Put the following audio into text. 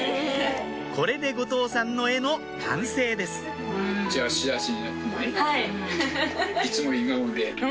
これで後藤さんの絵の完成ですはいフフフ。